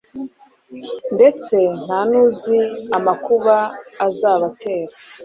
ndetse nta n’uzi amakuba azabatera